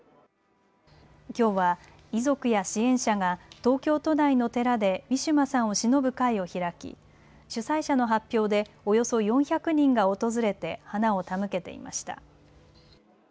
きょうは遺族や支援者が東京都内の寺でウィシュマさんをしのぶ会を開き主催者の発表でおよそ４００人が訪れて花を手向けていました。